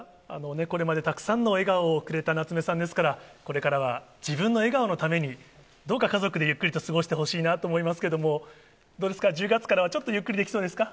これまでたくさんの笑顔をくれた夏目さんですから、これからは自分の笑顔のために、どうか家族でゆっくりと過ごしてほしいなぁと思いますけども、どうですか、１０月からはちょっとゆっくりできそうですか？